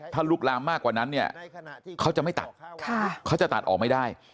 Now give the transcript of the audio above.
ถ้าลุกลามมากกว่านั้นเนี่ยเขาจะไม่ตัดเขาจะตัดออกไม่ได้